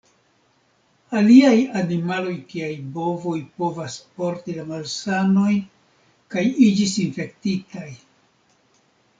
Aliaj animaloj kiaj bovoj povas porti la malsanojn kaj iĝis infektitaj.